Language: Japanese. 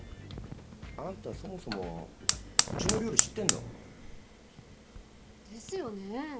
あんたそもそもうちの料理知ってんの？ですよね。